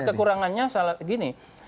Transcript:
nah kekurangannya salah gini